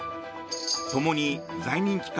ともに在任期間